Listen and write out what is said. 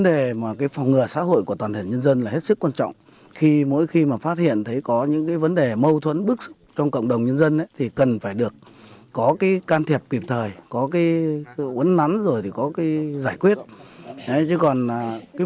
đối tượng đã gây ra vụ án ghiền mì giới chứng minh cho mọi người